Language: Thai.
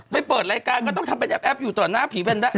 ไปเปิดรายการก็ต้องทำเป็นแอปอยู่ต่อหน้าผีแวนด้า